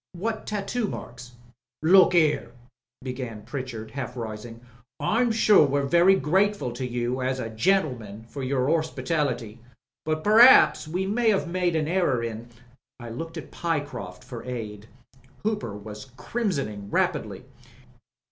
"What tattoo marks?" "Look here," began Pritchard, half rising. "I'm sure we're very grateful to you as a gentleman for your 'orspitality, but per'aps we may 'ave made ao error in " MRS. BATHURST 821 I looked at Pyecroft for aid, Hooper was crimsoning rapidly.